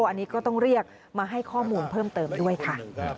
อันนี้ก็ต้องเรียกมาให้ข้อมูลเพิ่มเติมด้วยค่ะ